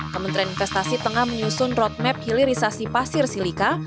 kementerian investasi tengah menyusun roadmap hilirisasi pasir silika